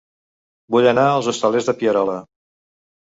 Vull anar a Els Hostalets de Pierola